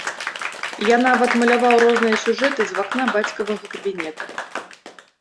Я нават маляваў розныя сюжэты з вакна бацькавага кабінета.